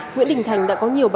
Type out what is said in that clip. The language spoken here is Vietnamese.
nguyễn đình thành đã có nhiều bệnh